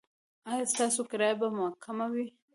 ایا ستاسو کرایه به کمه وي؟